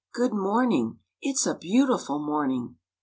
good morning! It's a beautiful morning!